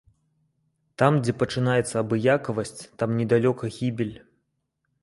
Там, дзе пачынаецца абыякавасць, там недалёка гібель.